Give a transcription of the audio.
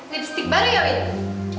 lipstick baru ya wih